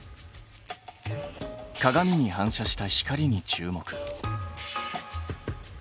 鏡に反射した光に注目。